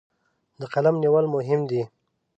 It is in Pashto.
د قلم نیول مهم دي.